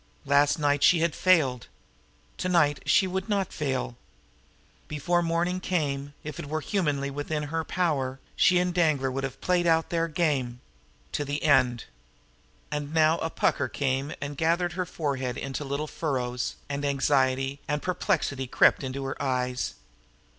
Last night she had failed. To night she would not fail. Before morning came, if it were humanly within her power, she and Danglar would have played out their game to the end. And now a pucker came and gathered her forehead into little furrows, and anxiety and perplexity crept into her eyes.